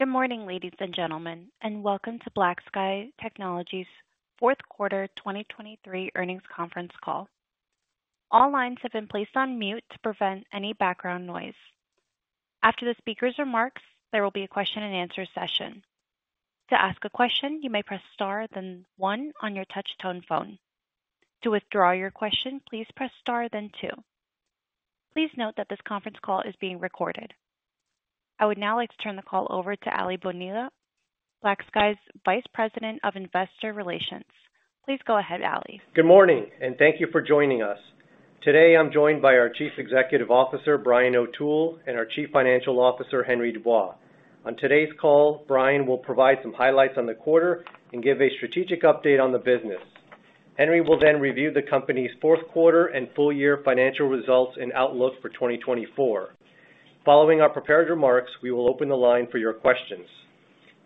Good morning, ladies and gentlemen, and welcome to BlackSky Technology's fourth quarter 2023 earnings conference call. All lines have been placed on mute to prevent any background noise. After the speaker's remarks, there will be a question and answer session. To ask a question, you may press Star, then one on your touchtone phone. To withdraw your question, please press Star then two. Please note that this conference call is being recorded. I would now like to turn the call over to Aly Bonilla, BlackSky's Vice President of Investor Relations. Please go ahead, Aly. Good morning, and thank you for joining us. Today, I'm joined by our Chief Executive Officer, Brian O'Toole, and our Chief Financial Officer, Henry Dubois. On today's call, Brian will provide some highlights on the quarter and give a strategic update on the business. Henry will then review the company's fourth quarter and full year financial results and outlook for 2024. Following our prepared remarks, we will open the line for your questions.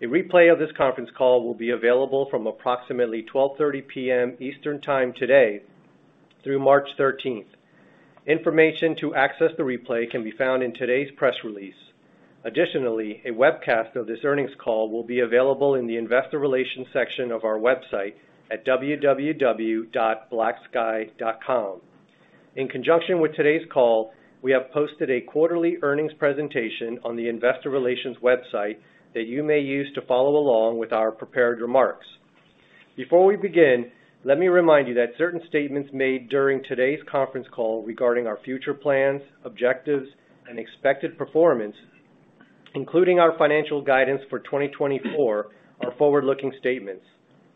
A replay of this conference call will be available from approximately 12:30 P.M. Eastern Time today through March 13th. Information to access the replay can be found in today's press release. Additionally, a webcast of this earnings call will be available in the investor relations section of our website at www.blacksky.com. In conjunction with today's call, we have posted a quarterly earnings presentation on the investor relations website that you may use to follow along with our prepared remarks. Before we begin, let me remind you that certain statements made during today's conference call regarding our future plans, objectives, and expected performance, including our financial guidance for 2024, are forward-looking statements.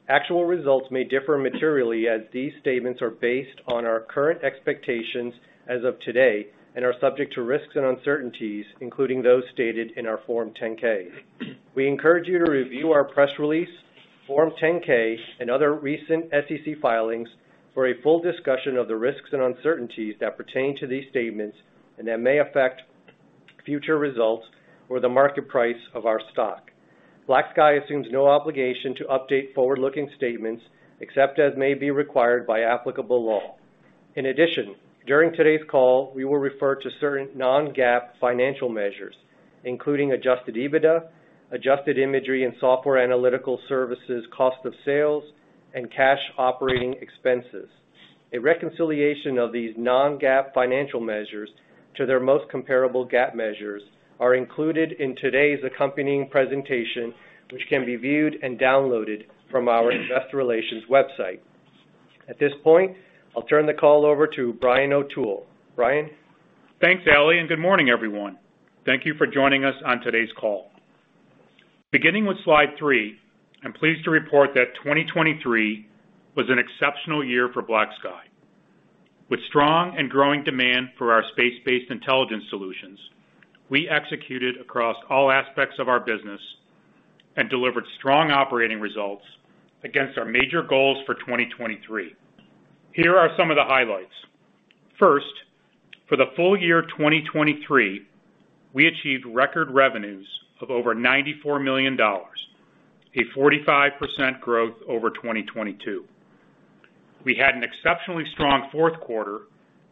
Actual results may differ materially, as these statements are based on our current expectations as of today and are subject to risks and uncertainties, including those stated in our Form 10-K. We encourage you to review our press release, Form 10-K, and other recent SEC filings for a full discussion of the risks and uncertainties that pertain to these statements and that may affect future results or the market price of our stock. BlackSky assumes no obligation to update forward-looking statements, except as may be required by applicable law. In addition, during today's call, we will refer to certain non-GAAP financial measures, including adjusted EBITDA, adjusted imagery and software analytical services, cost of sales, and cash operating expenses. A reconciliation of these non-GAAP financial measures to their most comparable GAAP measures are included in today's accompanying presentation, which can be viewed and downloaded from our investor relations website. At this point, I'll turn the call over to Brian O'Toole. Brian? Thanks, Aly, and good morning, everyone. Thank you for joining us on today's call. Beginning with slide three, I'm pleased to report that 2023 was an exceptional year for BlackSky. With strong and growing demand for our space-based intelligence solutions, we executed across all aspects of our business and delivered strong operating results against our major goals for 2023. Here are some of the highlights. First, for the full year 2023, we achieved record revenues of over $94 million, a 45% growth over 2022. We had an exceptionally strong fourth quarter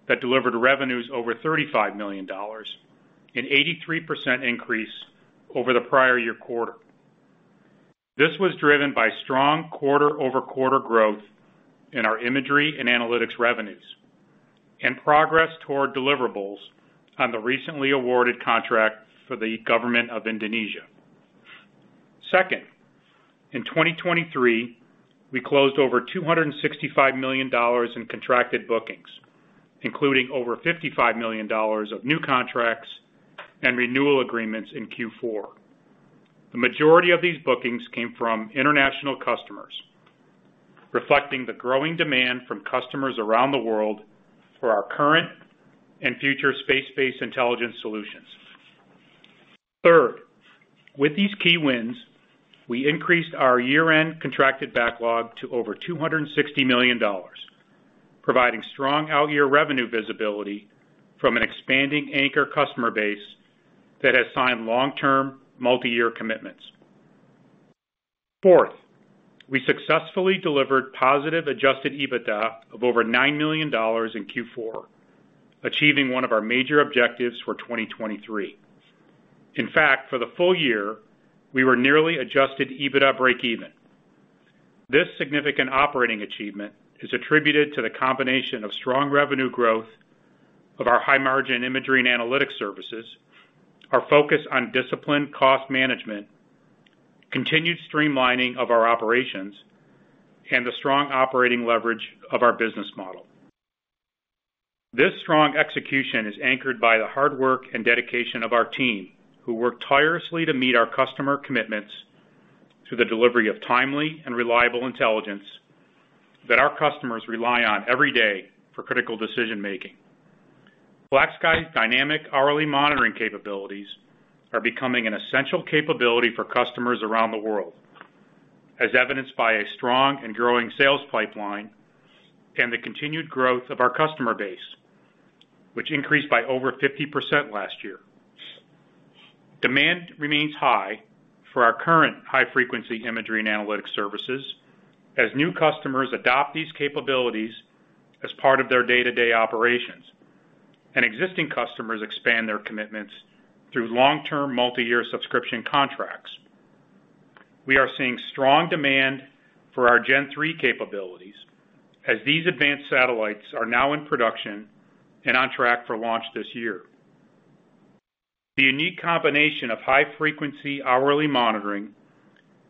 that delivered revenues over $35 million, an 83% increase over the prior year quarter. This was driven by strong quarter-over-quarter growth in our imagery and analytics revenues and progress toward deliverables on the recently awarded contract for the government of Indonesia. Second, in 2023, we closed over $265 million in contracted bookings, including over $55 million of new contracts and renewal agreements in Q4. The majority of these bookings came from international customers, reflecting the growing demand from customers around the world for our current and future space-based intelligence solutions. Third, with these key wins, we increased our year-end contracted backlog to over $260 million, providing strong out-year revenue visibility from an expanding anchor customer base that has signed long-term, multi-year commitments. Fourth, we successfully delivered positive adjusted EBITDA of over $9 million in Q4, achieving one of our major objectives for 2023. In fact, for the full year, we were nearly adjusted EBITDA break even. This significant operating achievement is attributed to the combination of strong revenue growth of our high-margin imagery and analytics services, our focus on disciplined cost management, continued streamlining of our operations, and the strong operating leverage of our business model. This strong execution is anchored by the hard work and dedication of our team, who work tirelessly to meet our customer commitments through the delivery of timely and reliable intelligence that our customers rely on every day for critical decision-making. BlackSky's dynamic hourly monitoring capabilities are becoming an essential capability for customers around the world, as evidenced by a strong and growing sales pipeline and the continued growth of our customer base, which increased by over 50% last year. Demand remains high for our current high-frequency imagery and analytics services as new customers adopt these capabilities as part of their day-to-day operations. Existing customers expand their commitments through long-term, multi-year subscription contracts. We are seeing strong demand for our Gen-3 capabilities as these advanced satellites are now in production and on track for launch this year. The unique combination of high frequency hourly monitoring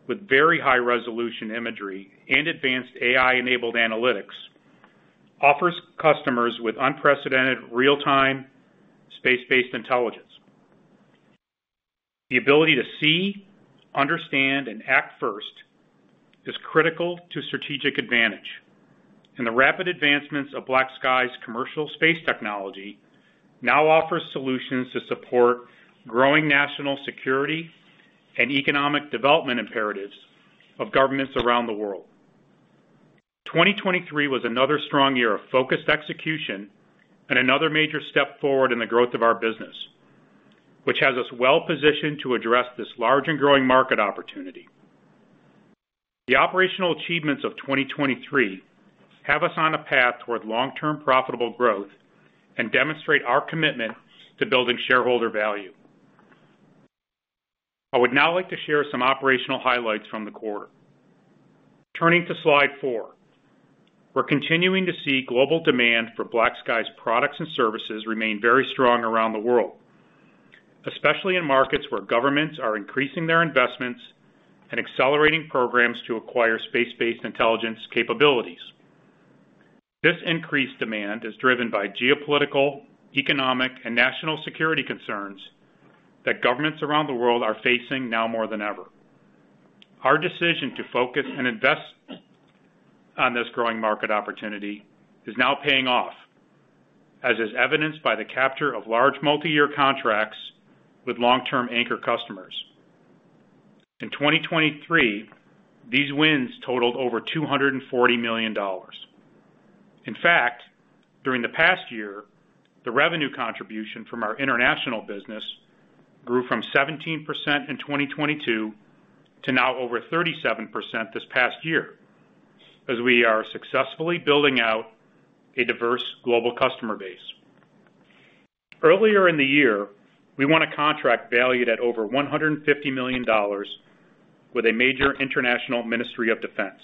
with very high resolution imagery and advanced AI-enabled analytics offers customers with unprecedented real-time space-based intelligence. The ability to see, understand, and act first is critical to strategic advantage, and the rapid advancements of BlackSky's commercial space technology now offers solutions to support growing national security and economic development imperatives of governments around the world. 2023 was another strong year of focused execution and another major step forward in the growth of our business, which has us well positioned to address this large and growing market opportunity. The operational achievements of 2023 have us on a path toward long-term, profitable growth and demonstrate our commitment to building shareholder value. I would now like to share some operational highlights from the quarter. Turning to slide four. We're continuing to see global demand for BlackSky's products and services remain very strong around the world, especially in markets where governments are increasing their investments and accelerating programs to acquire space-based intelligence capabilities. This increased demand is driven by geopolitical, economic, and national security concerns that governments around the world are facing now more than ever. Our decision to focus and invest on this growing market opportunity is now paying off, as is evidenced by the capture of large multi-year contracts with long-term anchor customers. In 2023, these wins totaled over $240 million. In fact, during the past year, the revenue contribution from our international business grew from 17% in 2022 to now over 37% this past year, as we are successfully building out a diverse global customer base. Earlier in the year, we won a contract valued at over $150 million with a major international ministry of defense.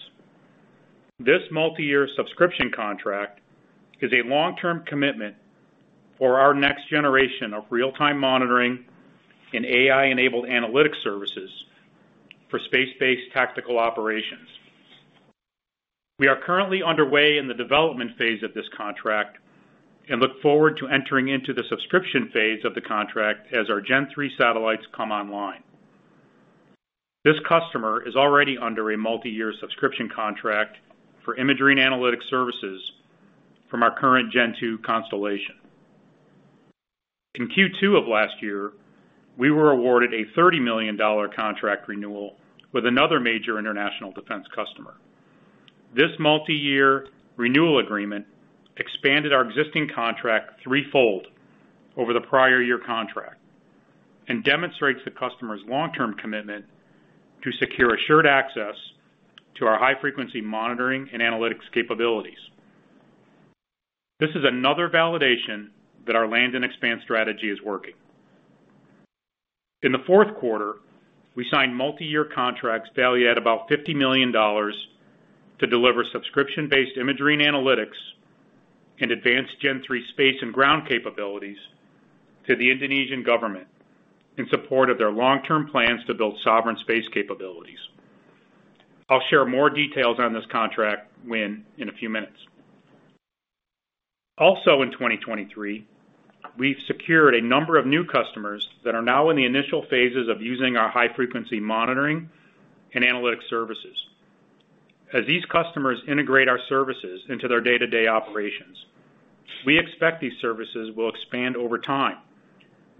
This multi-year subscription contract is a long-term commitment for our next generation of real-time monitoring and AI-enabled analytics services for space-based tactical operations. We are currently underway in the development phase of this contract and look forward to entering into the subscription phase of the contract as our Gen-3 satellites come online. This customer is already under a multi-year subscription contract for imagery and analytics services from our current Gen-2 constellation. In Q2 of last year, we were awarded a $30 million contract renewal with another major international defense customer. This multi-year renewal agreement expanded our existing contract threefold over the prior year contract and demonstrates the customer's long-term commitment to secure assured access to our high-frequency monitoring and analytics capabilities. This is another validation that our land and expand strategy is working. In the fourth quarter, we signed multi-year contracts valued at about $50 million to deliver subscription-based imagery and analytics and advanced Gen-3 space and ground capabilities to the Indonesian government in support of their long-term plans to build sovereign space capabilities. I'll share more details on this contract win in a few minutes. Also, in 2023, we've secured a number of new customers that are now in the initial phases of using our high-frequency monitoring and analytics services. As these customers integrate our services into their day-to-day operations, we expect these services will expand over time,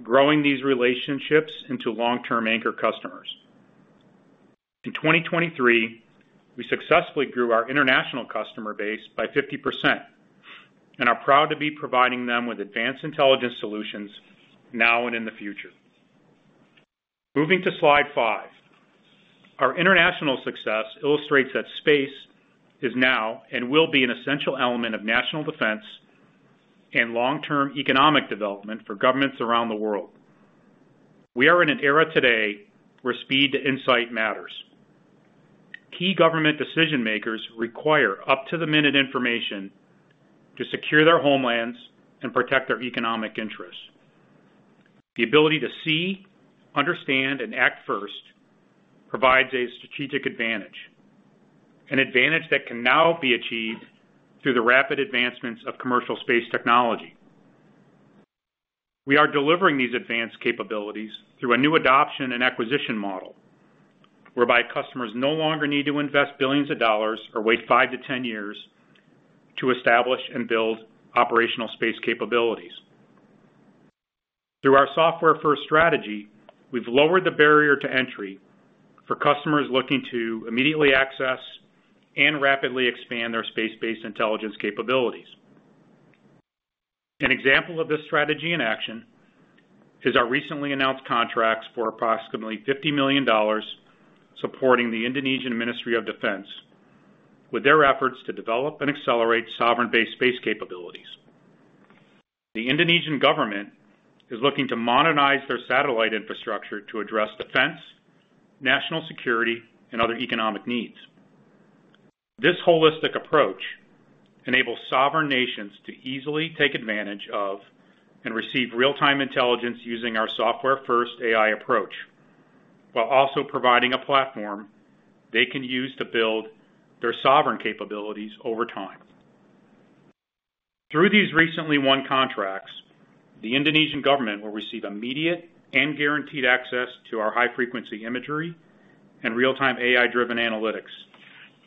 growing these relationships into long-term anchor customers. In 2023, we successfully grew our international customer base by 50% and are proud to be providing them with advanced intelligence solutions now and in the future. Moving to slide five. Our international success illustrates that space is now and will be an essential element of national defense and long-term economic development for governments around the world. We are in an era today where speed to insight matters. Key government decision-makers require up-to-the-minute information to secure their homelands and protect their economic interests. The ability to see, understand, and act first provides a strategic advantage, an advantage that can now be achieved through the rapid advancements of commercial space technology. We are delivering these advanced capabilities through a new adoption and acquisition model, whereby customers no longer need to invest billions of dollars or wait five to 10 years to establish and build operational space capabilities. Through our software-first strategy, we've lowered the barrier to entry for customers looking to immediately access and rapidly expand their space-based intelligence capabilities. An example of this strategy in action is our recently announced contracts for approximately $50 million, supporting the Indonesian Ministry of Defense, with their efforts to develop and accelerate sovereign-based space capabilities. The Indonesian government is looking to modernize their satellite infrastructure to address defense, national security, and other economic needs. This holistic approach enables sovereign nations to easily take advantage of and receive real-time intelligence using our software-first AI approach, while also providing a platform they can use to build their sovereign capabilities over time. Through these recently won contracts, the Indonesian government will receive immediate and guaranteed access to our high-frequency imagery and real-time AI-driven analytics,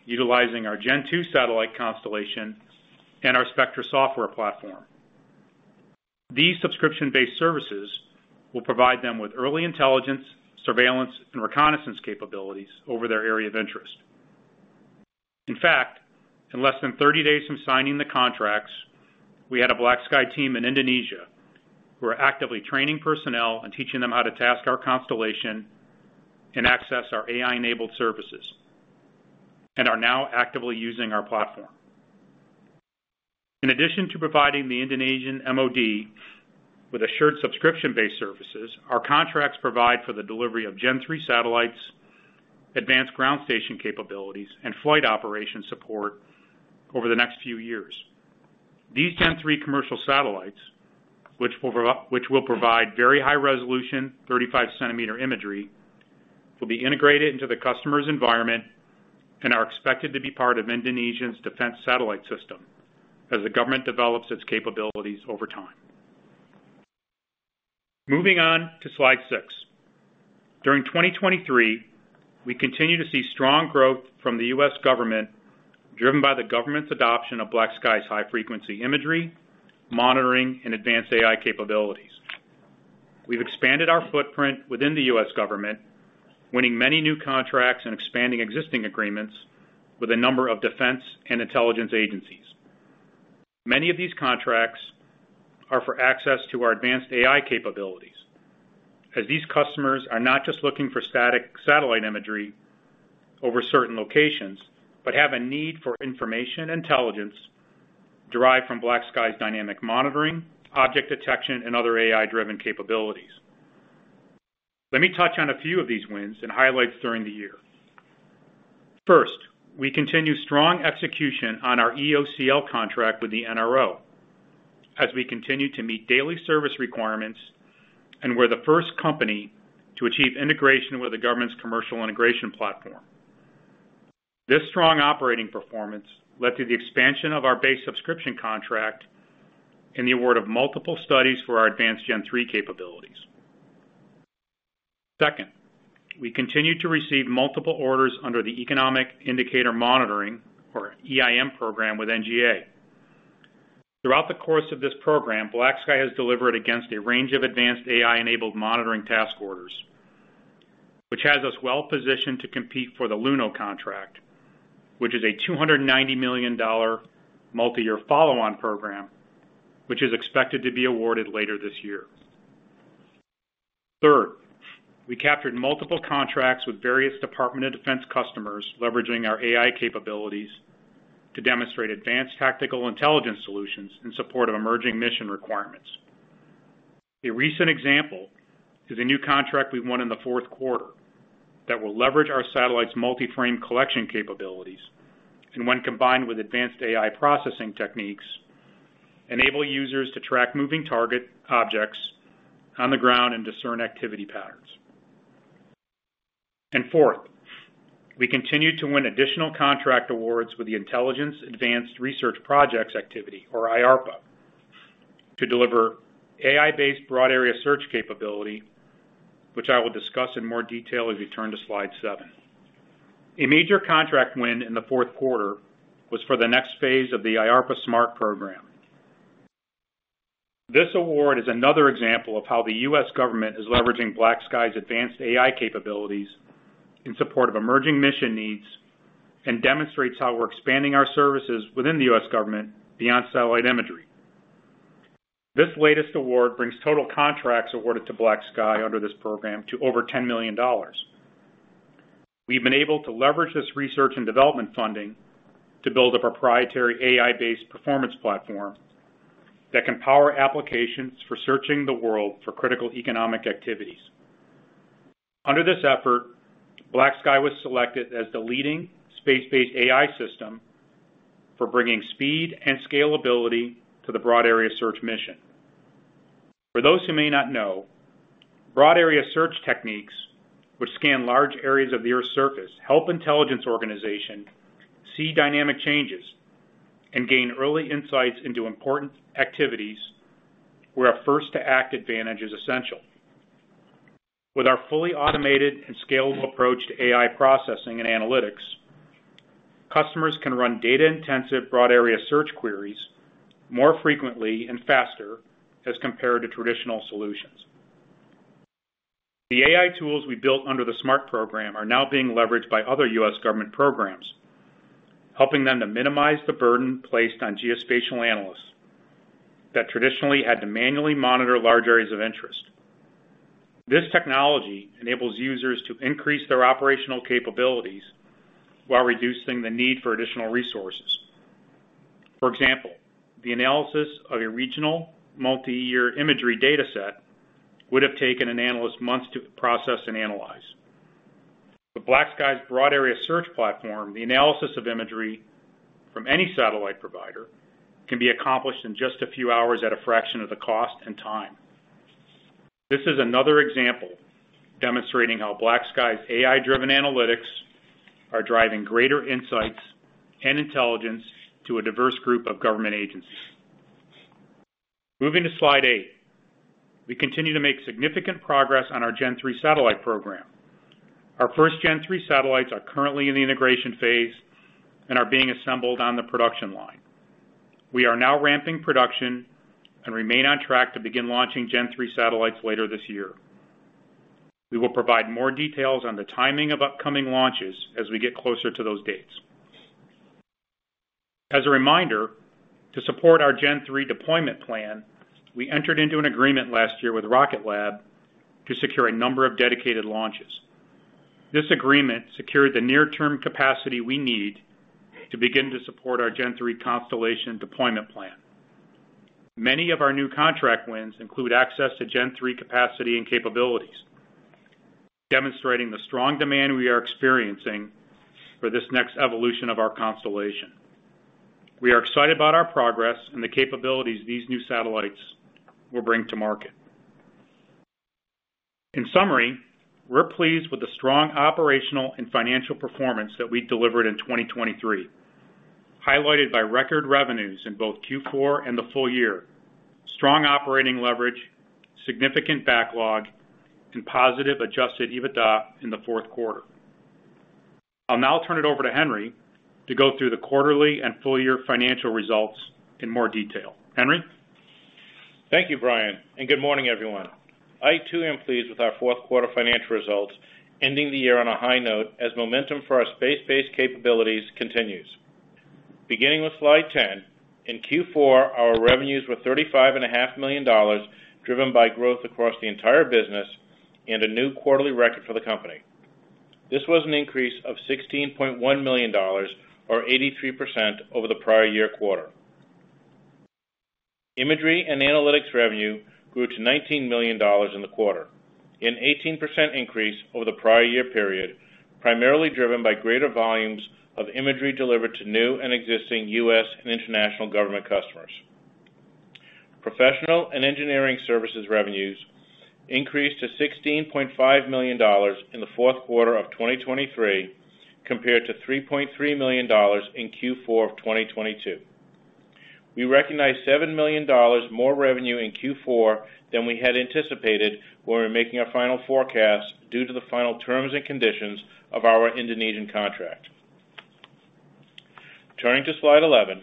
utilizing our Gen-2 satellite constellation and our Spectra software platform. These subscription-based services will provide them with early intelligence, surveillance, and reconnaissance capabilities over their area of interest. In fact, in less than 30 days from signing the contracts, we had a BlackSky team in Indonesia who are actively training personnel and teaching them how to task our constellation and access our AI-enabled services, and are now actively using our platform. In addition to providing the Indonesian MOD with assured subscription-based services, our contracts provide for the delivery of Gen-3 satellites, advanced ground station capabilities, and flight operations support over the next few years. These Gen-3 commercial satellites, which will provide very high resolution, 35 cm imagery, will be integrated into the customer's environment and are expected to be part of Indonesia's defense satellite system as the government develops its capabilities over time. Moving on to slide six. During 2023, we continued to see strong growth from the U.S. government, driven by the government's adoption of BlackSky's high-frequency imagery, monitoring, and advanced AI capabilities. We've expanded our footprint within the U.S. government, winning many new contracts and expanding existing agreements with a number of defense and intelligence agencies. Many of these contracts are for access to our advanced AI capabilities, as these customers are not just looking for static satellite imagery over certain locations, but have a need for information intelligence derived from BlackSky's dynamic monitoring, object detection, and other AI-driven capabilities. Let me touch on a few of these wins and highlights during the year. First, we continue strong execution on our EOCL contract with the NRO as we continue to meet daily service requirements and we're the first company to achieve integration with the government's commercial integration platform. This strong operating performance led to the expansion of our base subscription contract and the award of multiple studies for our advanced Gen-3 capabilities. Second, we continued to receive multiple orders under the Economic Indicator Monitoring, or EIM program, with NGA. Throughout the course of this program, BlackSky has delivered against a range of advanced AI-enabled monitoring task orders, which has us well positioned to compete for the LUNO contract, which is a $290 million multi-year follow-on program, which is expected to be awarded later this year. Third, we captured multiple contracts with various Department of Defense customers, leveraging our AI capabilities to demonstrate advanced tactical intelligence solutions in support of emerging mission requirements. A recent example is a new contract we won in the fourth quarter that will leverage our satellite's multi-frame collection capabilities, and when combined with advanced AI processing techniques, enable users to track moving target objects on the ground and discern activity patterns. And fourth, we continued to win additional contract awards with the Intelligence Advanced Research Projects Activity, or IARPA, to deliver AI-based broad area search capability, which I will discuss in more detail as we turn to slide seven. A major contract win in the fourth quarter was for the next phase of the IARPA SMART program. This award is another example of how the U.S. government is leveraging BlackSky's advanced AI capabilities in support of emerging mission needs, and demonstrates how we're expanding our services within the U.S. government beyond satellite imagery. This latest award brings total contracts awarded to BlackSky under this program to over $10 million. We've been able to leverage this research and development funding to build a proprietary AI-based performance platform that can power applications for searching the world for critical economic activities. Under this effort, BlackSky was selected as the leading space-based AI system for bringing speed and scalability to the broad area search mission. For those who may not know, broad area search techniques, which scan large areas of the Earth's surface, help intelligence organization see dynamic changes and gain early insights into important activities where a first-to-act advantage is essential. With our fully automated and scalable approach to AI processing and analytics, customers can run data-intensive, broad area search queries more frequently and faster as compared to traditional solutions. The AI tools we built under the SMART program are now being leveraged by other U.S. government programs, helping them to minimize the burden placed on geospatial analysts that traditionally had to manually monitor large areas of interest. This technology enables users to increase their operational capabilities while reducing the need for additional resources. For example, the analysis of a regional multi-year imagery data set would have taken an analyst months to process and analyze. With BlackSky's broad area search platform, the analysis of imagery from any satellite provider can be accomplished in just a few hours at a fraction of the cost and time. This is another example demonstrating how BlackSky's AI-driven analytics are driving greater insights and intelligence to a diverse group of government agencies. Moving to slide eight, we continue to make significant progress on our Gen-3 satellite program. Our first Gen-3 satellites are currently in the integration phase and are being assembled on the production line. We are now ramping production and remain on track to begin launching Gen-3 satellites later this year. We will provide more details on the timing of upcoming launches as we get closer to those dates. As a reminder, to support our Gen-3 deployment plan, we entered into an agreement last year with Rocket Lab to secure a number of dedicated launches. This agreement secured the near-term capacity we need to begin to support our Gen-3 constellation deployment plan. Many of our new contract wins include access to Gen-3 capacity and capabilities, demonstrating the strong demand we are experiencing for this next evolution of our constellation. We are excited about our progress and the capabilities these new satellites will bring to market. In summary, we're pleased with the strong operational and financial performance that we delivered in 2023, highlighted by record revenues in both Q4 and the full year, strong operating leverage, significant backlog, and positive adjusted EBITDA in the fourth quarter. I'll now turn it over to Henry to go through the quarterly and full-year financial results in more detail. Henry? Thank you, Brian, and good morning, everyone. I, too, am pleased with our fourth quarter financial results, ending the year on a high note as momentum for our space-based capabilities continues. Beginning with slide 10, in Q4, our revenues were $35.5 million, driven by growth across the entire business and a new quarterly record for the company. This was an increase of $16.1 million or 83% over the prior-year quarter. Imagery and analytics revenue grew to $19 million in the quarter, an 18% increase over the prior-year period, primarily driven by greater volumes of imagery delivered to new and existing U.S. and international government customers. Professional and engineering services revenues increased to $16.5 million in the fourth quarter of 2023, compared to $3.3 million in Q4 of 2022. We recognized $7 million more revenue in Q4 than we had anticipated when we were making our final forecast due to the final terms and conditions of our Indonesian contract. Turning to slide 11,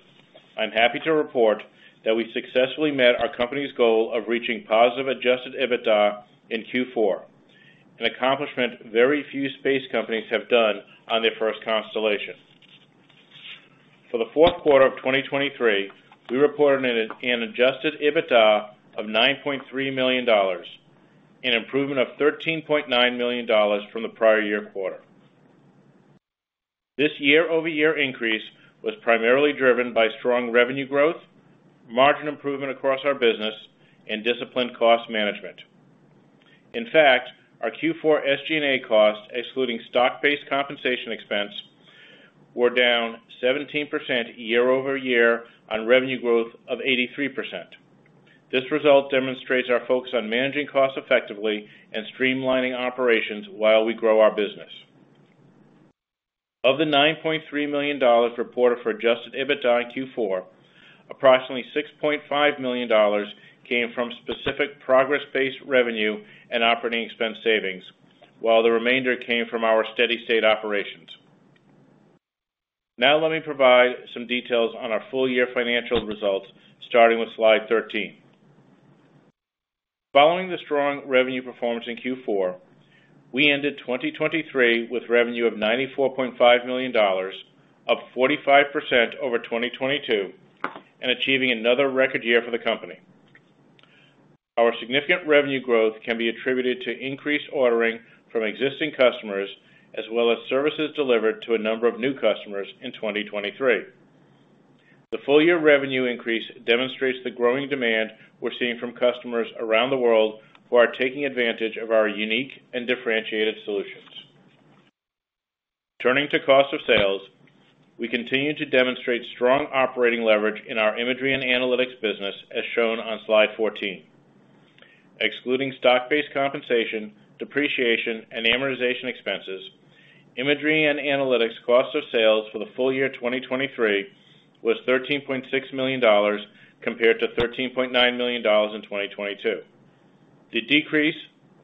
I'm happy to report that we successfully met our company's goal of reaching positive adjusted EBITDA in Q4, an accomplishment very few space companies have done on their first constellation. For the fourth quarter of 2023, we reported an adjusted EBITDA of $9.3 million, an improvement of $13.9 million from the prior year quarter. This year-over-year increase was primarily driven by strong revenue growth, margin improvement across our business, and disciplined cost management. In fact, our Q4 SG&A costs, excluding stock-based compensation expense, were down 17% year-over-year on revenue growth of 83%. This result demonstrates our focus on managing costs effectively and streamlining operations while we grow our business. Of the $9.3 million reported for adjusted EBITDA in Q4, approximately $6.5 million came from specific progress-based revenue and operating expense savings, while the remainder came from our steady state operations. Now, let me provide some details on our full-year financial results, starting with slide 13. Following the strong revenue performance in Q4, we ended 2023 with revenue of $94.5 million, up 45% over 2022, and achieving another record year for the company. Our significant revenue growth can be attributed to increased ordering from existing customers, as well as services delivered to a number of new customers in 2023. The full-year revenue increase demonstrates the growing demand we're seeing from customers around the world who are taking advantage of our unique and differentiated solutions. Turning to cost of sales, we continue to demonstrate strong operating leverage in our imagery and analytics business, as shown on slide 14. Excluding stock-based compensation, depreciation, and amortization expenses, imagery and analytics cost of sales for the full year 2023 was $13.6 million, compared to $13.9 million in 2022. The decrease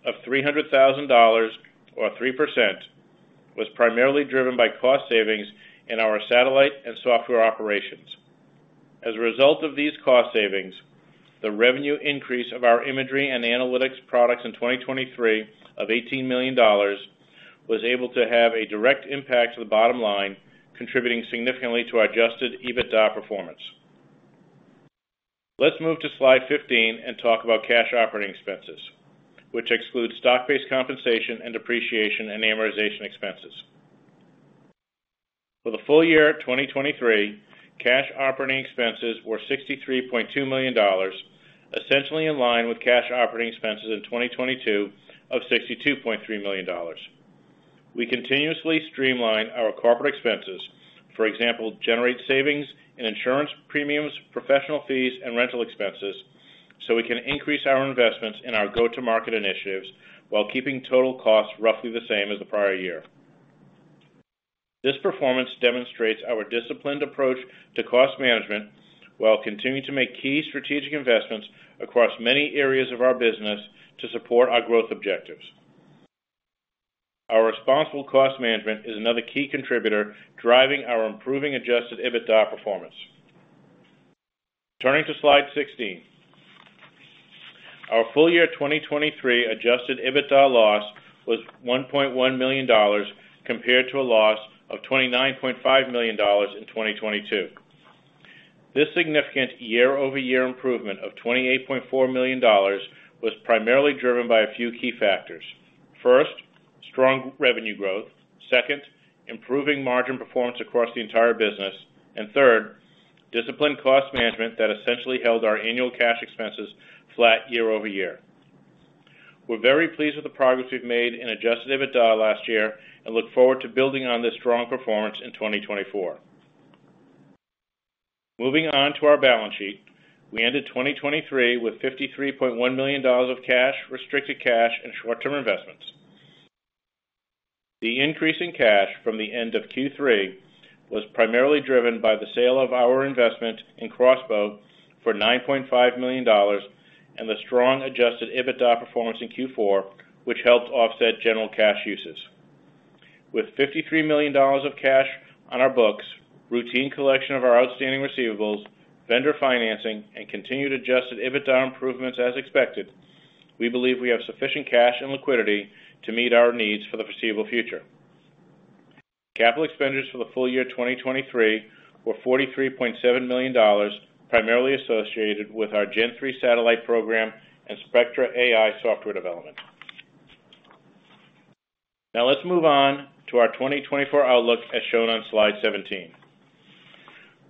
of $300,000, or 3%, was primarily driven by cost savings in our satellite and software operations. As a result of these cost savings, the revenue increase of our imagery and analytics products in 2023 of $18 million was able to have a direct impact to the bottom line, contributing significantly to our Adjusted EBITDA performance. Let's move to slide 15 and talk about cash operating expenses, which excludes stock-based compensation and depreciation and amortization expenses. For the full year of 2023, cash operating expenses were $63.2 million, essentially in line with cash operating expenses in 2022 of $62.3 million. We continuously streamline our corporate expenses, for example, generate savings in insurance premiums, professional fees, and rental expenses, so we can increase our investments in our go-to-market initiatives while keeping total costs roughly the same as the prior year. This performance demonstrates our disciplined approach to cost management, while continuing to make key strategic investments across many areas of our business to support our growth objectives. Our responsible cost management is another key contributor, driving our improving adjusted EBITDA performance. Turning to slide 16. Our full year 2023 Adjusted EBITDA loss was $1.1 million, compared to a loss of $29.5 million in 2022. This significant year-over-year improvement of $28.4 million was primarily driven by a few key factors. First, strong revenue growth. Second, improving margin performance across the entire business. And third, disciplined cost management that essentially held our annual cash expenses flat year over year. We're very pleased with the progress we've made in adjusted EBITDA last year, and look forward to building on this strong performance in 2024. Moving on to our balance sheet. We ended 2023 with $53.1 million of cash, restricted cash, and short-term investments. The increase in cash from the end of Q3 was primarily driven by the sale of our investment in X-Bow for $9.5 million, and the strong adjusted EBITDA performance in Q4, which helped offset general cash uses. With $53 million of cash on our books, routine collection of our outstanding receivables, vendor financing, and continued Adjusted EBITDA improvements as expected, we believe we have sufficient cash and liquidity to meet our needs for the foreseeable future. Capital expenditures for the full year, 2023, were $43.7 million, primarily associated with our Gen-3 satellite program and Spectra AI software development. Now, let's move on to our 2024 outlook, as shown on slide 17.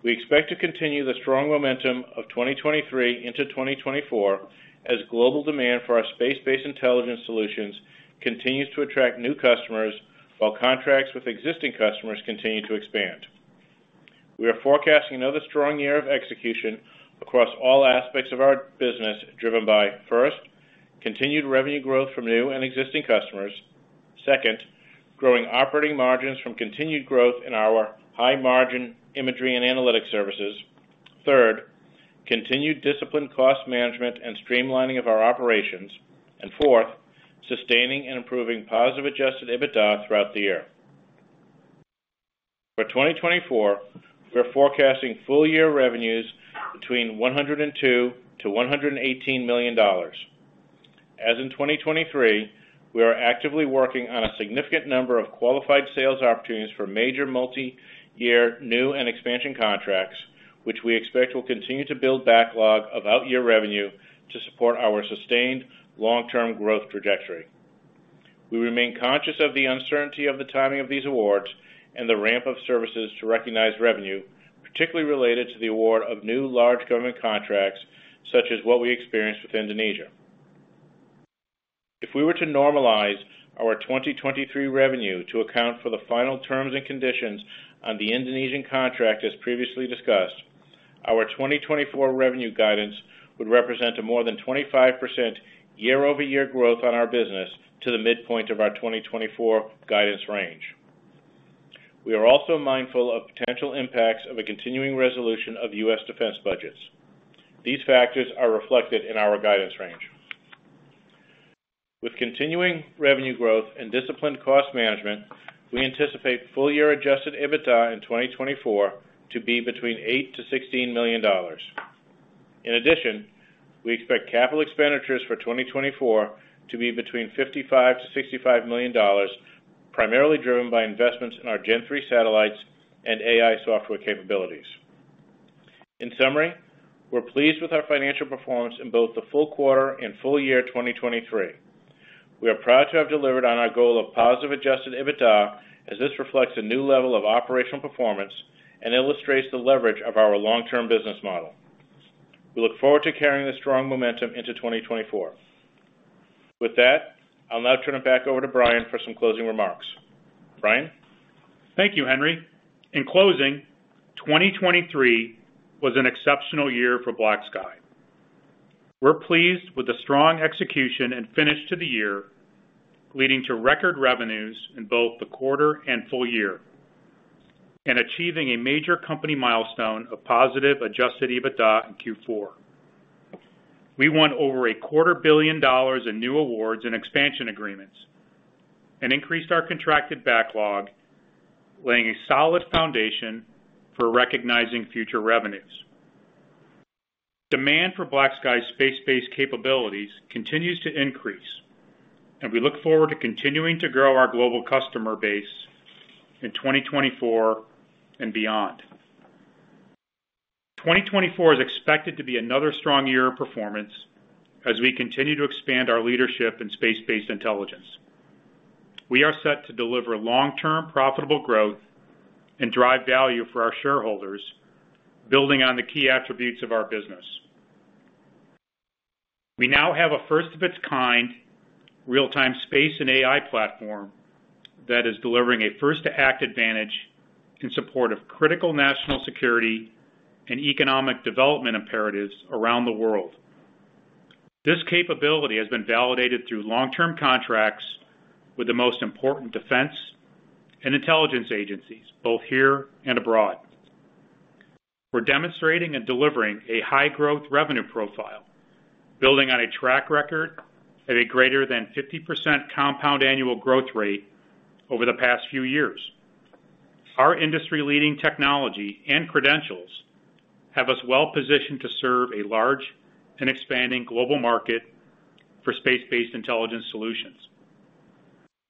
We expect to continue the strong momentum of 2023 into 2024, as global demand for our space-based intelligence solutions continues to attract new customers, while contracts with existing customers continue to expand. We are forecasting another strong year of execution across all aspects of our business, driven by, first, continued revenue growth from new and existing customers. Second, growing operating margins from continued growth in our high-margin imagery and analytics services. Third, continued disciplined cost management and streamlining of our operations. And fourth, sustaining and improving positive adjusted EBITDA throughout the year. For 2024, we're forecasting full-year revenues between $102 million-$118 million. As in 2023, we are actively working on a significant number of qualified sales opportunities for major multi-year new and expansion contracts, which we expect will continue to build backlog of out-year revenue to support our sustained long-term growth trajectory. We remain conscious of the uncertainty of the timing of these awards and the ramp of services to recognize revenue, particularly related to the award of new large government contracts, such as what we experienced with Indonesia. If we were to normalize our 2023 revenue to account for the final terms and conditions on the Indonesian contract as previously discussed, our 2024 revenue guidance would represent a more than 25% year-over-year growth on our business to the midpoint of our 2024 guidance range. We are also mindful of potential impacts of a continuing resolution of U.S. defense budgets. These factors are reflected in our guidance range. With continuing revenue growth and disciplined cost management, we anticipate full-year adjusted EBITDA in 2024 to be between $8 million-$16 million. In addition, we expect capital expenditures for 2024 to be between $55 million-$65 million, primarily driven by investments in our Gen-3 satellites and AI software capabilities. In summary, we're pleased with our financial performance in both the full quarter and full year 2023. We are proud to have delivered on our goal of positive adjusted EBITDA, as this reflects a new level of operational performance and illustrates the leverage of our long-term business model. We look forward to carrying this strong momentum into 2024. With that, I'll now turn it back over to Brian for some closing remarks. Brian? Thank you, Henry. In closing, 2023 was an exceptional year for BlackSky. We're pleased with the strong execution and finish to the year, leading to record revenues in both the quarter and full year, and achieving a major company milestone of positive adjusted EBITDA in Q4. We won over $250 million in new awards and expansion agreements and increased our contracted backlog, laying a solid foundation for recognizing future revenues. Demand for BlackSky's space-based capabilities continues to increase, and we look forward to continuing to grow our global customer base in 2024 and beyond. 2024 is expected to be another strong year of performance as we continue to expand our leadership in space-based intelligence. We are set to deliver long-term profitable growth and drive value for our shareholders, building on the key attributes of our business. We now have a first of its kind real-time space and AI platform that is delivering a first-to-act advantage in support of critical national security and economic development imperatives around the world. This capability has been validated through long-term contracts with the most important defense and intelligence agencies, both here and abroad. We're demonstrating and delivering a high-growth revenue profile, building on a track record at a greater than 50% compound annual growth rate over the past few years. Our industry-leading technology and credentials have us well-positioned to serve a large and expanding global market for space-based intelligence solutions.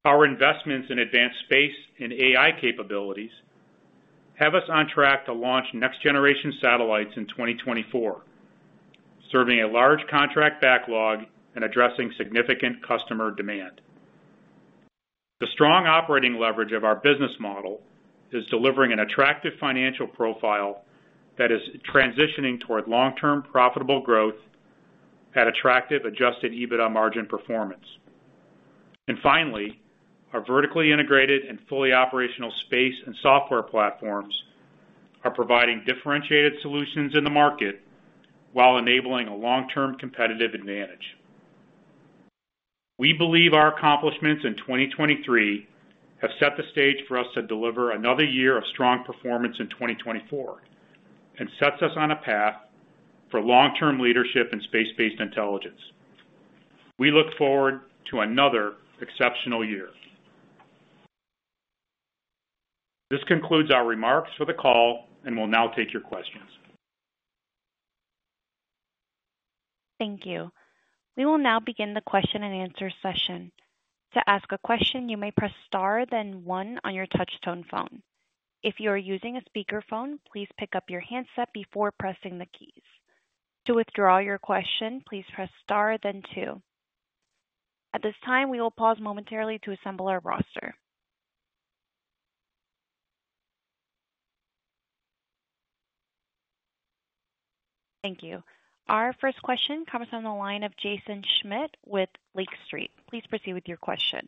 Our investments in advanced space and AI capabilities have us on track to launch next-generation satellites in 2024, serving a large contract backlog and addressing significant customer demand. The strong operating leverage of our business model is delivering an attractive financial profile that is transitioning toward long-term profitable growth at attractive adjusted EBITDA margin performance. Finally, our vertically integrated and fully operational space and software platforms are providing differentiated solutions in the market while enabling a long-term competitive advantage. We believe our accomplishments in 2023 have set the stage for us to deliver another year of strong performance in 2024, and sets us on a path for long-term leadership in space-based intelligence. We look forward to another exceptional year. This concludes our remarks for the call, and we'll now take your questions. Thank you. We will now begin the question-and-answer session. To ask a question, you may press star then one on your touchtone phone. If you are using a speakerphone, please pick up your handset before pressing the keys. To withdraw your question, please press star then two. At this time, we will pause momentarily to assemble our roster. Thank you. Our first question comes on the line of Jaeson Schmidt with Lake Street. Please proceed with your question.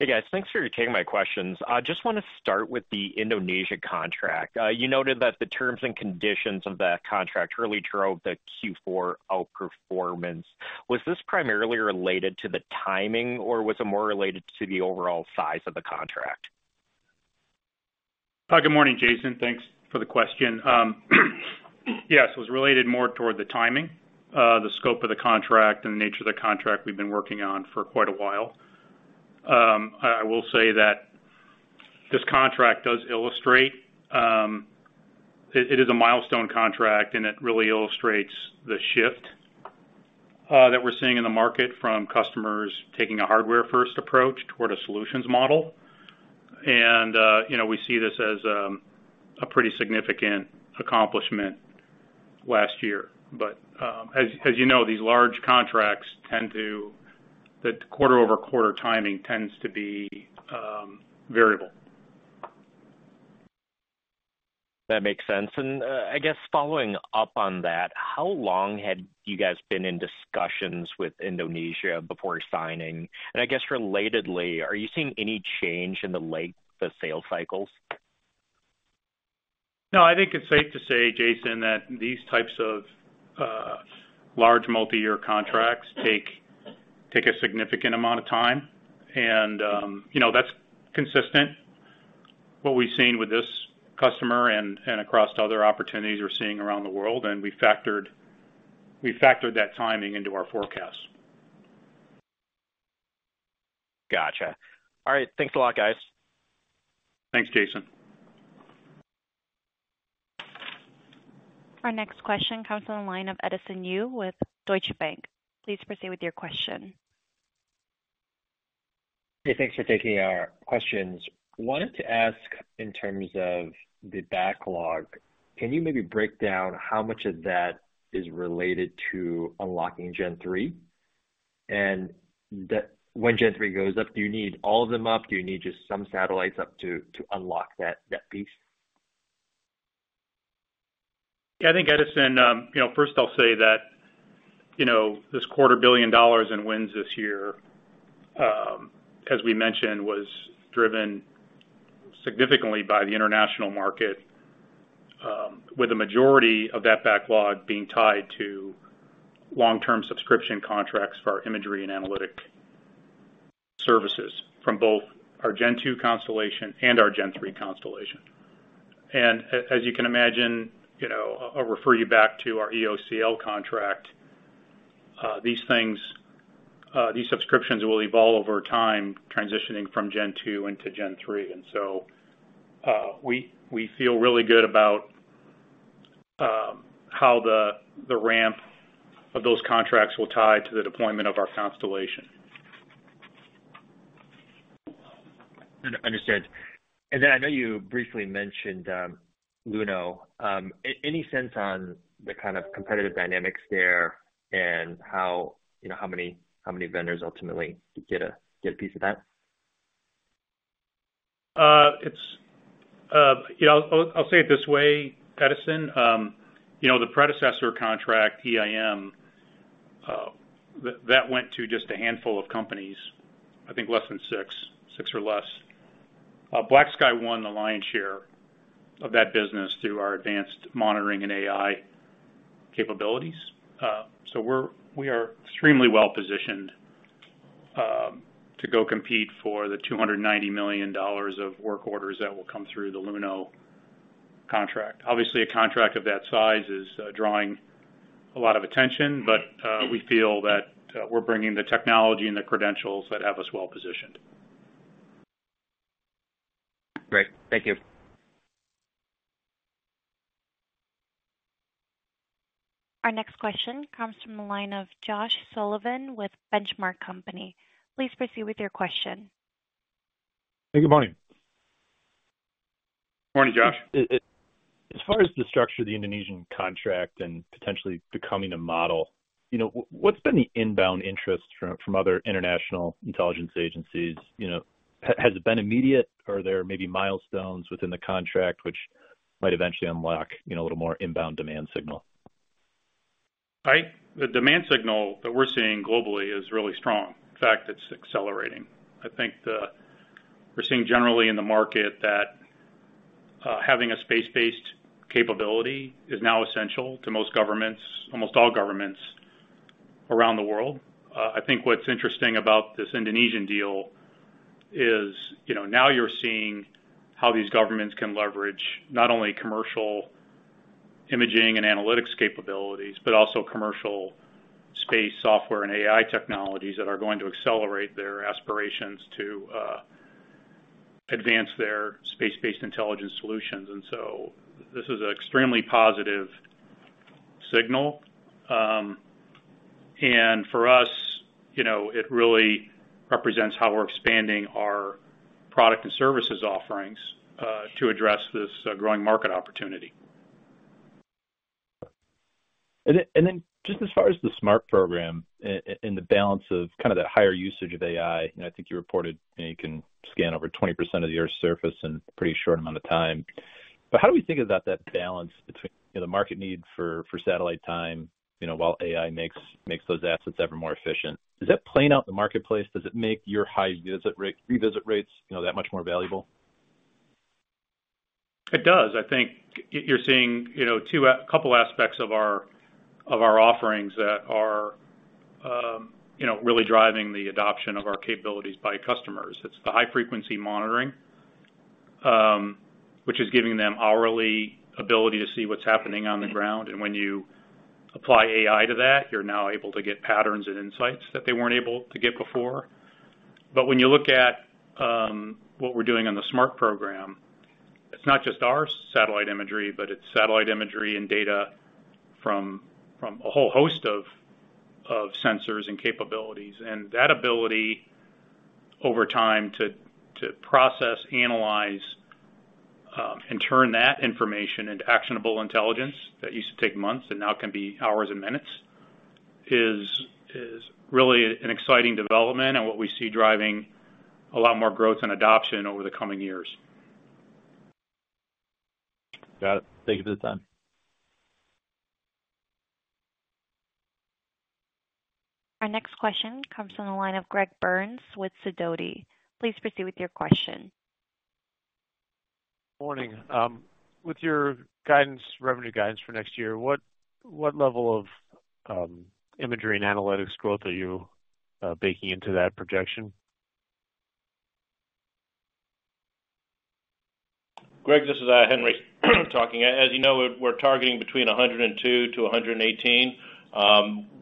Hey, guys. Thanks for taking my questions. I just want to start with the Indonesia contract. You noted that the terms and conditions of that contract really drove the Q4 outperformance. Was this primarily related to the timing, or was it more related to the overall size of the contract? Hi, good morning, Jaeson. Thanks for the question. Yes, it was related more toward the timing, the scope of the contract and the nature of the contract we've been working on for quite a while. I, I will say that this contract does illustrate. It, it is a milestone contract, and it really illustrates the shift that we're seeing in the market from customers taking a hardware-first approach toward a solutions model. And, you know, we see this as a pretty significant accomplishment last year. But, as, as you know, these large contracts tend to, the quarter-over-quarter timing tends to be variable. That makes sense. And, I guess following up on that, how long had you guys been in discussions with Indonesia before signing? And I guess, relatedly, are you seeing any change in the length of sales cycles? No, I think it's safe to say, Jaeson, that these types of large multiyear contracts take a significant amount of time. You know, that's consistent what we've seen with this customer and across other opportunities we're seeing around the world, and we factored that timing into our forecast. Gotcha. All right, thanks a lot, guys. Thanks, Jaeson. Our next question comes on the line of Edison Yu with Deutsche Bank. Please proceed with your question. Hey, thanks for taking our questions. Wanted to ask in terms of the backlog, can you maybe break down how much of that is related to unlocking Gen-3? And then, when Gen-3 goes up, do you need all of them up? Do you need just some satellites up to, to unlock that, that piece? I think, Edison, you know, first I'll say that, you know, this $250 million in wins this year, as we mentioned, was driven significantly by the international market, with the majority of that backlog being tied to long-term subscription contracts for our imagery and analytic services from both our Gen-2 constellation and our Gen-3 constellation. And as you can imagine, you know, I'll refer you back to our EOCL contract. These things, these subscriptions will evolve over time, transitioning from Gen-2 into Gen-3. And so, we feel really good about how the ramp of those contracts will tie to the deployment of our constellation. Understood. Then I know you briefly mentioned LUNO. Any sense on the kind of competitive dynamics there and how, you know, how many vendors ultimately get a piece of that? It's, you know, I'll say it this way, Edison, you know, the predecessor contract, EIM, that went to just a handful of companies, I think less than six, six or less. BlackSky won the lion's share of that business through our advanced monitoring and AI capabilities. So we are extremely well positioned to go compete for the $290 million of work orders that will come through the LUNO contract. Obviously, a contract of that size is drawing a lot of attention, but we feel that we're bringing the technology and the credentials that have us well positioned. Great. Thank you. Our next question comes from the line of Josh Sullivan with Benchmark Company. Please proceed with your question. Hey, good morning. Morning, Josh. As far as the structure of the Indonesian contract and potentially becoming a model, you know, what's been the inbound interest from other international intelligence agencies? You know, has it been immediate, or there may be milestones within the contract which might eventually unlock, you know, a little more inbound demand signal? The demand signal that we're seeing globally is really strong. In fact, it's accelerating. I think we're seeing generally in the market that, having a space-based capability is now essential to most governments, almost all governments around the world. I think what's interesting about this Indonesian deal is, you know, now you're seeing how these governments can leverage not only commercial imaging and analytics capabilities, but also commercial space, software and AI technologies that are going to accelerate their aspirations to, advance their space-based intelligence solutions. And so this is an extremely positive signal. And for us, you know, it really represents how we're expanding our product and services offerings, to address this, growing market opportunity. Then just as far as the SMART Program and the balance of kind of that higher usage of AI, and I think you reported, you know, you can scan over 20% of the Earth's surface in a pretty short amount of time. But how do we think about that balance between, you know, the market need for satellite time, you know, while AI makes those assets ever more efficient? Does that play out the marketplace? Does it make your high revisit rates, you know, that much more valuable? It does. I think you're seeing, you know, two, a couple aspects of our, of our offerings that are, you know, really driving the adoption of our capabilities by customers. It's the high-frequency monitoring, which is giving them hourly ability to see what's happening on the ground. And when you apply AI to that, you're now able to get patterns and insights that they weren't able to get before. But when you look at what we're doing on the SMART Program, it's not just our satellite imagery, but it's satellite imagery and data from a whole host of sensors and capabilities. That ability, over time, to process, analyze, and turn that information into actionable intelligence that used to take months and now can be hours and minutes, is really an exciting development and what we see driving a lot more growth and adoption over the coming years. Got it. Thank you for the time. Our next question comes from the line of Greg Burns with Sidoti. Please proceed with your question. Morning. With your guidance, revenue guidance for next year, what level of imagery and analytics growth are you baking into that projection? Greg, this is, Henry talking. As you know, we're targeting between 102-118.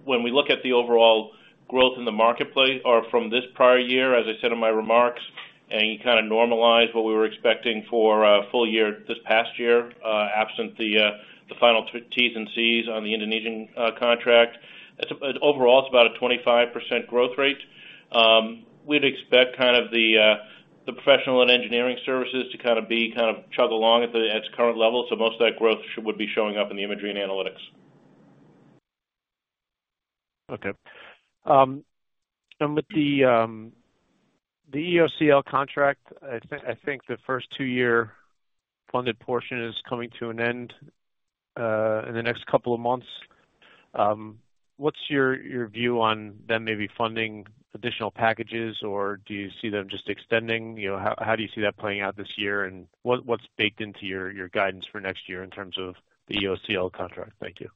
When we look at the overall growth in the marketplace or from this prior year, as I said in my remarks, and you kind of normalize what we were expecting for a full year this past year, absent the final T's and C's on the Indonesian contract, it's overall, it's about a 25% growth rate. We'd expect kind of the professional and engineering services to kind of be, kind of chug along at its current level. So most of that growth would be showing up in the imagery and analytics. Okay. And with the EOCL contract, I think the first two-year funded portion is coming to an end in the next couple of months. What's your view on them maybe funding additional packages, or do you see them just extending? You know, how do you see that playing out this year, and what's baked into your guidance for next year in terms of the EOCL contract? Thank you.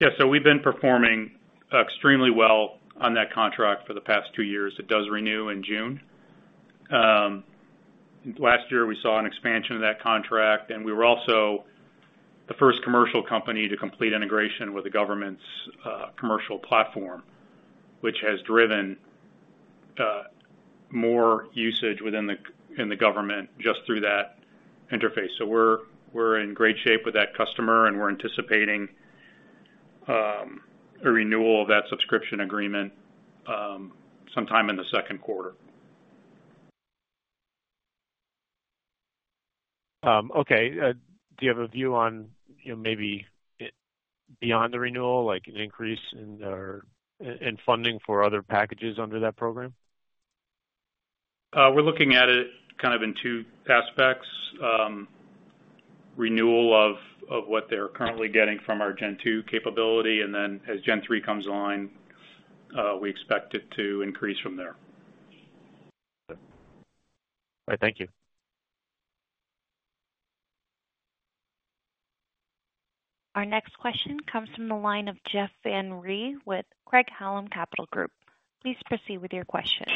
Yeah, so we've been performing extremely well on that contract for the past two years. It does renew in June. Last year, we saw an expansion of that contract, and we were also the first commercial company to complete integration with the government's commercial platform, which has driven more usage within the government just through that interface. So we're in great shape with that customer, and we're anticipating a renewal of that subscription agreement sometime in the second quarter. Okay. Do you have a view on, you know, maybe it beyond the renewal, like an increase in our, in funding for other packages under that program? We're looking at it kind of in two aspects. Renewal of what they're currently getting from our Gen-2 capability, and then as Gen-3 comes online, we expect it to increase from there. All right. Thank you. Our next question comes from the line of Jeff Van Rhee with Craig-Hallum Capital Group. Please proceed with your question.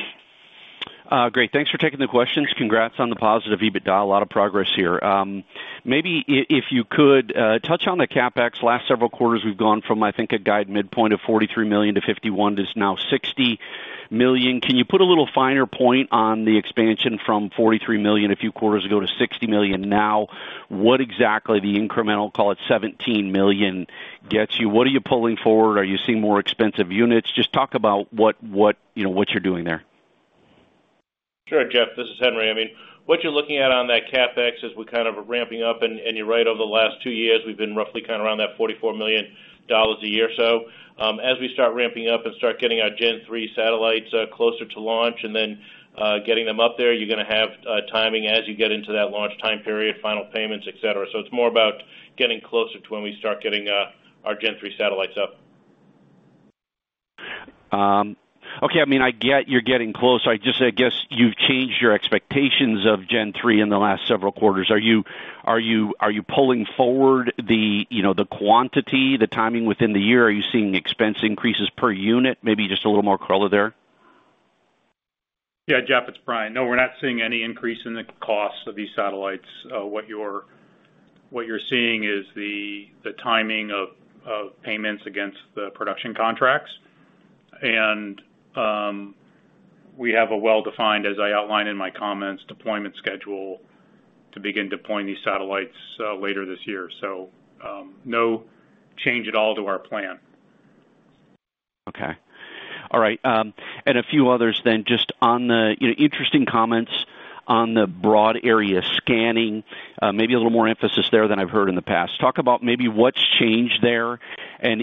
Great. Thanks for taking the questions. Congrats on the positive EBITDA. A lot of progress here. Maybe if you could touch on the CapEx. Last several quarters, we've gone from, I think, a guide midpoint of $43 million to $51 million, to now $60 million. Can you put a little finer point on the expansion from $43 million a few quarters ago to $60 million now? What exactly the incremental, call it $17 million, gets you? What are you pulling forward? Are you seeing more expensive units? Just talk about what, what, you know, what you're doing there. Sure, Jeff, this is Henry. I mean, what you're looking at on that CapEx is we're kind of ramping up. And you're right, over the last two years, we've been roughly kind of around that $44 million a year or so. As we start ramping up and start getting our Gen-3 satellites closer to launch and then getting them up there, you're gonna have timing as you get into that launch time period, final payments, et cetera. So it's more about getting closer to when we start getting our Gen-3 satellites up. Okay. I mean, I get you're getting closer. I just, I guess you've changed your expectations of Gen-3 in the last several quarters. Are you pulling forward the, you know, the quantity, the timing within the year? Are you seeing expense increases per unit? Maybe just a little more color there. Yeah, Jeff, it's Brian. No, we're not seeing any increase in the cost of these satellites. What you're seeing is the timing of payments against the production contracts. And we have a well-defined, as I outlined in my comments, deployment schedule to begin deploying these satellites later this year. So, no change at all to our plan. Okay. All right, and a few others then, just on the, you know, interesting comments on the broad area scanning, maybe a little more emphasis there than I've heard in the past. Talk about maybe what's changed there and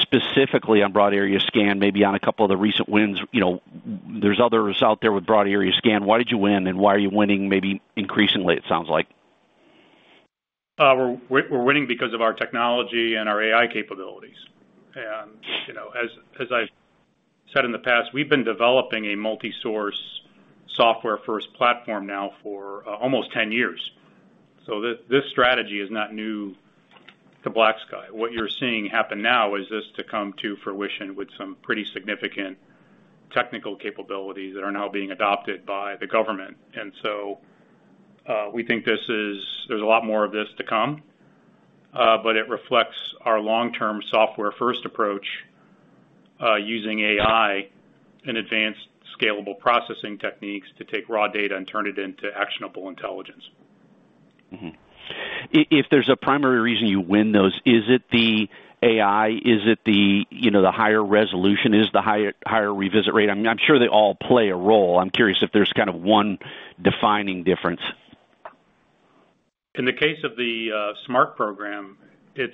specifically on broad area scan, maybe on a couple of the recent wins. You know, there's others out there with broad area scan. Why did you win, and why are you winning maybe increasingly, it sounds like? We're winning because of our technology and our AI capabilities. And, you know, as I've said in the past, we've been developing a multi-source, software-first platform now for almost 10 years. So this strategy is not new to BlackSky. What you're seeing happen now is this to come to fruition with some pretty significant technical capabilities that are now being adopted by the government. And so, we think this is there's a lot more of this to come, but it reflects our long-term software-first approach, using AI and advanced scalable processing techniques to take raw data and turn it into actionable intelligence. Mm-hmm. If there's a primary reason you win those, is it the AI? Is it the, you know, the higher resolution? Is it the higher revisit rate? I'm sure they all play a role. I'm curious if there's kind of one defining difference. In the case of the SMART program, it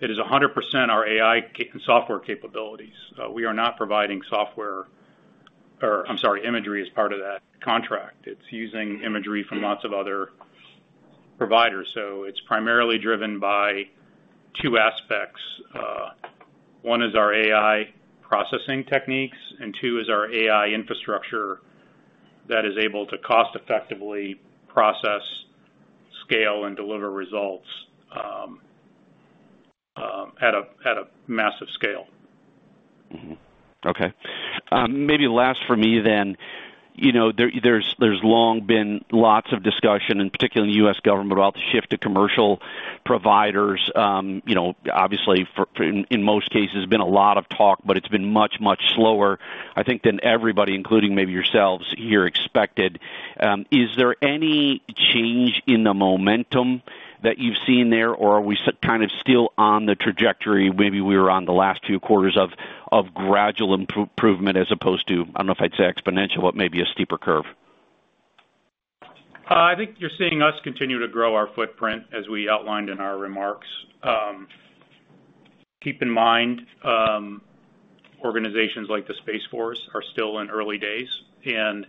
is 100% our AI software capabilities. We are not providing software, or I'm sorry, imagery, as part of that contract. It's using imagery from lots of other providers. So it's primarily driven by two aspects. One is our AI processing techniques, and two is our AI infrastructure that is able to cost effectively process, scale, and deliver results at a massive scale. Mm-hmm. Okay. Maybe last for me then. You know, there's long been lots of discussion, and particularly in the U.S. government, about the shift to commercial providers. You know, obviously, for in most cases been a lot of talk, but it's been much, much slower, I think, than everybody, including maybe yourselves here, expected. Is there any change in the momentum that you've seen there, or are we kind of still on the trajectory, maybe we were on the last two quarters of gradual improvement, as opposed to, I don't know if I'd say exponential, but maybe a steeper curve? I think you're seeing us continue to grow our footprint, as we outlined in our remarks. Keep in mind, organizations like the Space Force are still in early days, and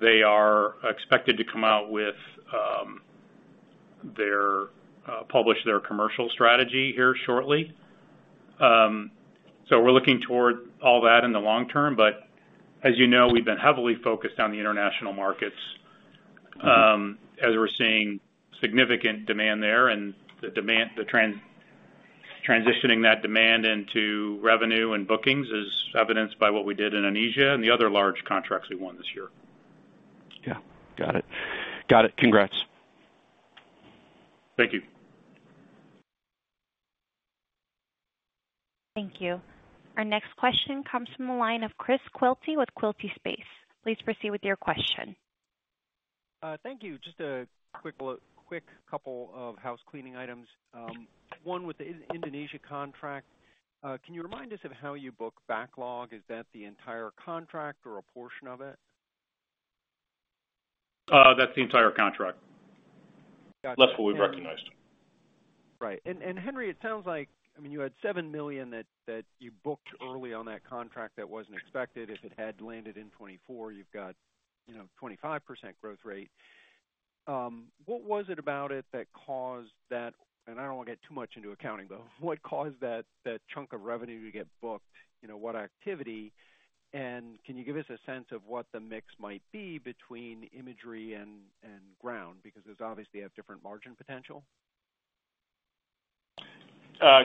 they are expected to come out with their commercial strategy here shortly. So we're looking toward all that in the long term, but as you know, we've been heavily focused on the international markets, as we're seeing significant demand there, and transitioning that demand into revenue and bookings is evidenced by what we did in Indonesia and the other large contracts we won this year. Yeah. Got it. Got it. Congrats. Thank you. Thank you. Our next question comes from the line of Chris Quilty with Quilty Space. Please proceed with your question. Thank you. Just a quick couple of housecleaning items. One, with the Indonesia contract, can you remind us of how you book backlog? Is that the entire contract or a portion of it? That's the entire contract. Gotcha. That's what we've recognized. Right. And, Henry, it sounds like, I mean, you had $7 million that you booked early on that contract that wasn't expected. If it had landed in 2024, you've got, you know, 25% growth rate. What was it about it that caused that? And I don't want to get too much into accounting, but what caused that chunk of revenue to get booked, you know, what activity? And can you give us a sense of what the mix might be between imagery and ground? Because those obviously have different margin potential.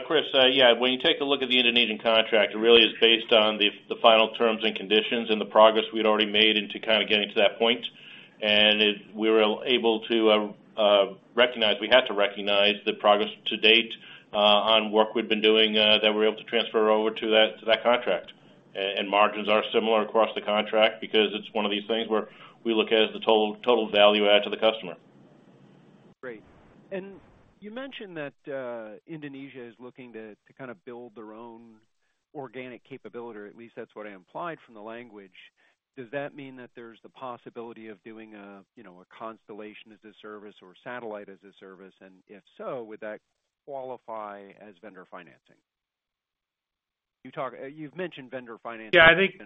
Chris, yeah, when you take a look at the Indonesian contract, it really is based on the final terms and conditions and the progress we'd already made into kind of getting to that point. And it. We were able to recognize—we had to recognize the progress to date on work we've been doing that we were able to transfer over to that contract. And margins are similar across the contract because it's one of these things where we look at as the total value add to the customer. Great. And you mentioned that, Indonesia is looking to kind of build their own organic capability, or at least that's what I implied from the language. Does that mean that there's the possibility of doing a, you know, a constellation as a service or satellite as a service, and if so, would that qualify as vendor financing? You talk-- you've mentioned vendor financing. Yeah, I think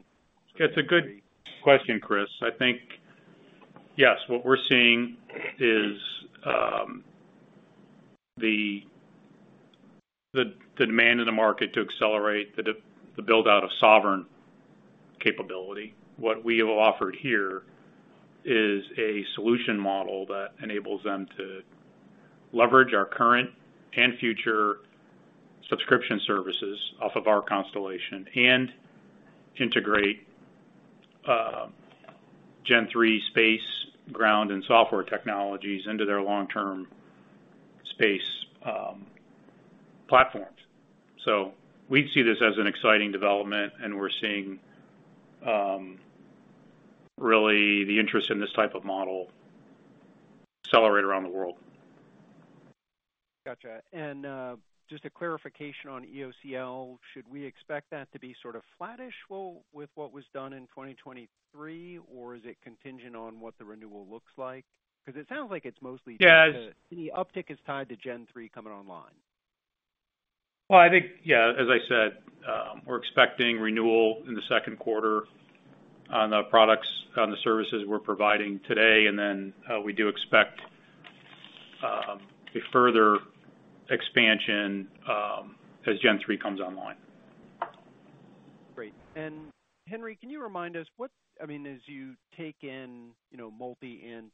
it's a good question, Chris. I think, yes, what we're seeing is the demand in the market to accelerate the build-out of sovereign capability. What we have offered here is a solution model that enables them to leverage our current and future subscription services off of our constellation and integrate Gen-3 space, ground, and software technologies into their long-term space platforms. So we'd see this as an exciting development, and we're seeing really the interest in this type of model accelerate around the world. Gotcha. And, just a clarification on EOCL. Should we expect that to be sort of flattish with what was done in 2023, or is it contingent on what the renewal looks like? Because it sounds like it's mostly- Yeah. The uptick is tied to Gen-3 coming online. Well, I think, yeah, as I said, we're expecting renewal in the second quarter on the products, on the services we're providing today, and then, we do expect, a further expansion, as Gen-3 comes online. Great. And Henry, can you remind us what I mean, as you take in, you know, multi-INT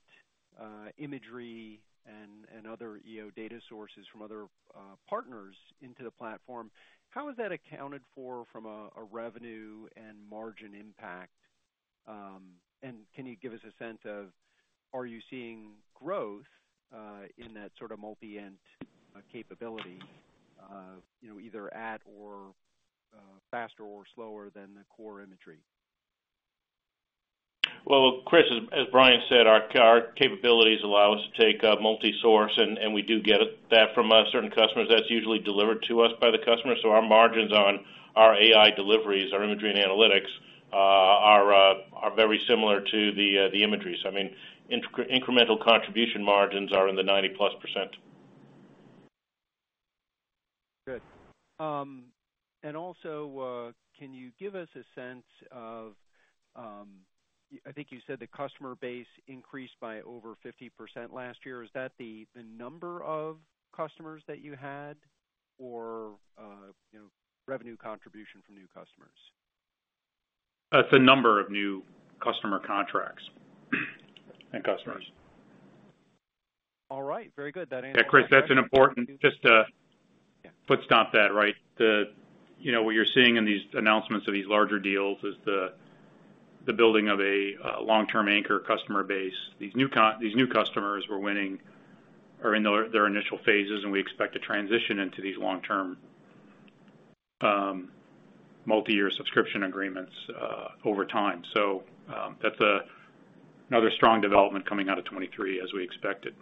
imagery and other EO data sources from other partners into the platform, how is that accounted for from a revenue and margin impact? And can you give us a sense of are you seeing growth in that sort of multi-INT capability, you know, either at or faster or slower than the core imagery? Well, Chris, as Brian said, our capabilities allow us to take multi-source, and we do get that from certain customers. That's usually delivered to us by the customer. So our margins on our AI deliveries, our imagery and analytics, are very similar to the imagery. So I mean, incremental contribution margins are in the 90%+. Good. And also, can you give us a sense of I think you said the customer base increased by over 50% last year. Is that the number of customers that you had or, you know, revenue contribution from new customers? It's the number of new customer contracts and customers. All right. Very good. That answers- Yeah, Chris, that's an important point. Just to foot stomp that, right? The, you know, what you're seeing in these announcements of these larger deals is the building of a long-term anchor customer base. These new customers we're winning are in their initial phases, and we expect to transition into these long-term multi-year subscription agreements over time. So, that's another strong development coming out of 2023, as we expected.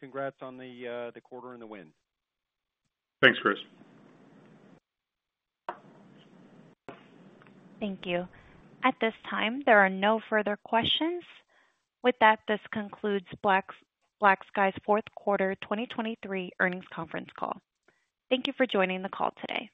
Great. Congrats on the quarter and the win. Thanks, Chris. Thank you. At this time, there are no further questions. With that, this concludes BlackSky's fourth quarter 2023 earnings conference call. Thank you for joining the call today.